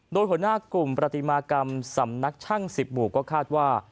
โดยหัวหน้ากลุ่มปฏิมากรรมสำนักช่าง๑๐หมู่ก็คาดว่า